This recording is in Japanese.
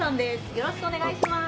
よろしくお願いします！